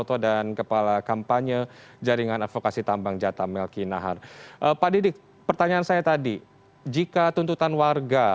tidak berangkat dari aspirasi warga